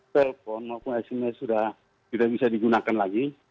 telepon maupun sms sudah tidak bisa digunakan lagi